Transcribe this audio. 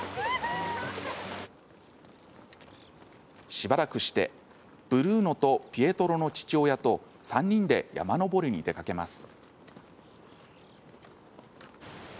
しばらくして、ブルーノとピエトロの父親と３人で山登りに出かけます。